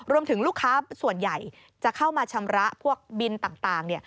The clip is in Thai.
รวมถึงลูกค้าส่วนใหญ่จะเข้ามาชำระพวกบินต่าง